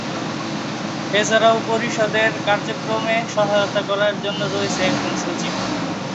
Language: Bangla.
এছাড়াও পরিষদের কার্যক্রমে সহায়তা করার জন্য রয়েছেন একজন সচিব।